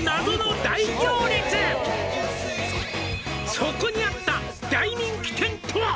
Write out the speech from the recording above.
「そこにあった大人気店とは？」